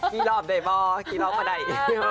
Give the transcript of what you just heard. กี่รอบได้บ่กี่รอบก็ได้